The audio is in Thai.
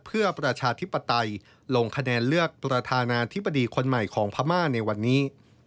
เพื่อประชาธิปไตยลงคะแนนเลือกประธานาธิบดีคนใหม่ของพม่าในวันนี้